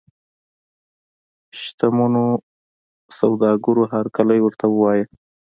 شته منو سوداګرو هرکلی ورته ووایه.